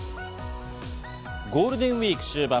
ゴールデンウイーク終盤。